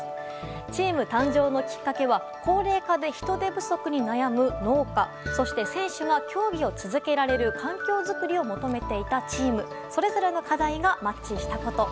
チーム誕生のきっかけは高齢化で人手不足に悩む農家そして選手が競技を続けられる環境づくりを求めていたチームそれぞれの課題がマッチしたこと。